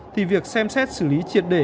thì việc xem xét xử lý triệt để